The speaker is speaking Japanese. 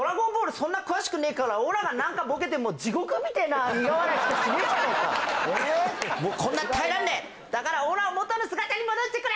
そんな詳しくねえからおらが何かボケても地獄みてえな苦笑いしかしねえじゃねえかもうこんなん耐えらんねえだからおらを元の姿に戻してくれ！